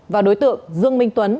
và đối tượng dương minh tuấn